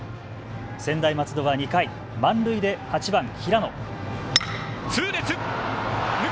専大松戸は２回、満塁で８番・平野。